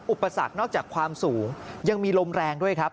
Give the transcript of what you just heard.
อุปสรรคนอกจากความสูงยังมีลมแรงด้วยครับ